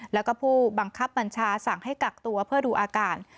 แล้วก็ผู้บังคับบัญชาสั่งให้กักตัวเพื่อดูอาการ